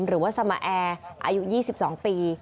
หรือว่าสมาแอร์อายุ๒๒ปี